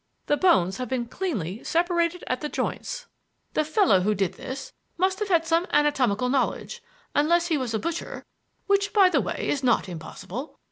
The bones have been cleanly separated at the joints. The fellow who did this must have had some anatomical knowledge, unless he was a butcher, which by the way, is not impossible.